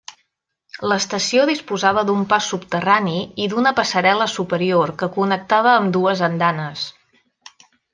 L'estació disposava d'un pas subterrani i d'una passarel·la superior que connectava ambdues andanes.